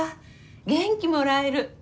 元気もらえる。